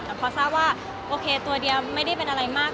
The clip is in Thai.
แต่พอทราบว่าโอเคตัวเดียวไม่ได้เป็นอะไรมาก